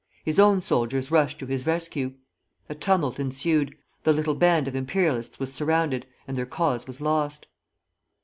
His own soldiers rushed to his rescue. A tumult ensued. The little band of Imperialists was surrounded, and their cause was lost.